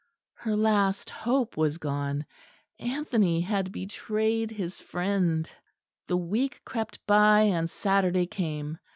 Her last hope was gone; Anthony had betrayed his friend. The week crept by, and Saturday came.